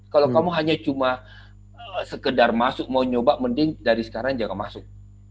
kalau kamu hanya cuma sekedar masuk mau nyoba mending dari sekarang jangan masuk